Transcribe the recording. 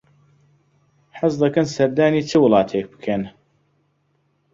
حەز دەکەن سەردانی چ وڵاتێک بکەن؟